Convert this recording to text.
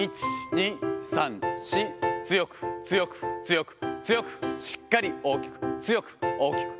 強く、強く、強く、強く、しっかり大きく、強く大きく。